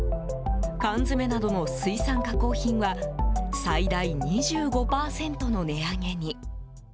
缶詰などの水産加工品は最大２５％の値上げに。